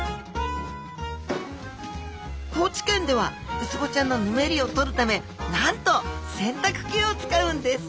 高知県ではウツボちゃんのヌメリを取るためなんと洗濯機を使うんです！